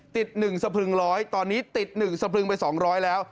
ติด๑สะพึง๑๐๐ตอนนี้ติด๑สะพึงไป๒๐๐แล้ว